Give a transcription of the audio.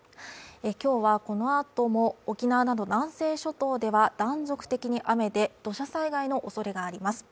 今日はこのあとも沖縄など南西諸島では断続的に雨で土砂災害のおそれがあります